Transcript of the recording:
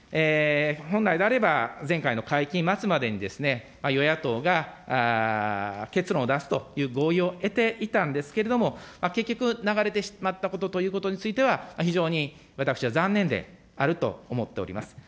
本来であれば、前回の会期末までに、与野党が結論を出すという合意を得ていたんですけれども、結局、流れてしまったことについては、非常に私は残念であると思っております。